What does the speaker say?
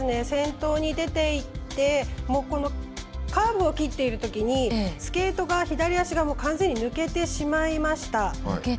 先頭に出ていってもうこのカーブを切っているときにスケートが左足が完全に抜けてしまいました。